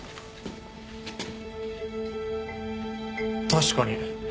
確かに。